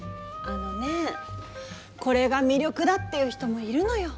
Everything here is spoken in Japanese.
あのねこれが魅力だって言う人もいるのよ。